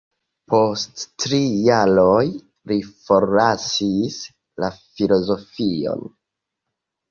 Post tri jaroj li forlasis la filozofion.